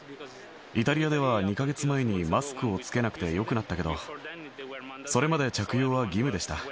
イタリアでは２か月前にマスクを着けなくてよくなったけど、それまで着用は義務でした。